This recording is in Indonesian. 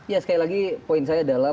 ya sekali lagi poin saya adalah